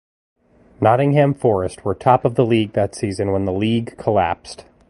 Nottingham Forest were top of the league that season when the league collapsed.